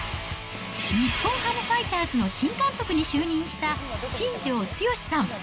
日本ハムファイターズの新監督に就任した、新庄剛志さん。